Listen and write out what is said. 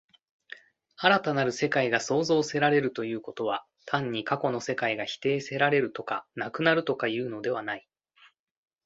新たなる世界が創造せられるということは、単に過去の世界が否定せられるとか、なくなるとかいうのではない。